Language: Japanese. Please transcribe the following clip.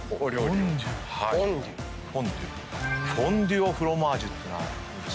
フォンデュ・オ・フロマージュっていうのは？